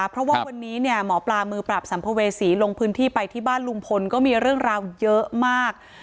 เพราะว่าวันนี้เนี่ยหมอปลามือปราบสัมภเวษีลงพื้นที่ไปที่บ้านลุงพลก็มีเรื่องราวเยอะมาก